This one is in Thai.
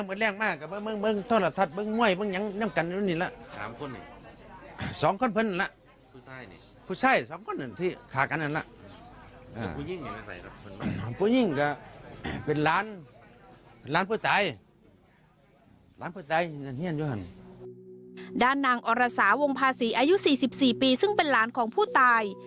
ซึ่งเป็นล้านของผู้ตายที่ส่วนผู้ตายกำลังต้องสนุกเป็นแค่นี้แหละครับ